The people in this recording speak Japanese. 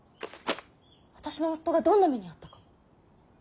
私の夫がどんな目に遭ったか。